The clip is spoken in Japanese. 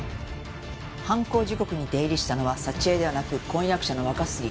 犯行時刻に出入りしたのは佐知恵ではなく婚約者の若杉。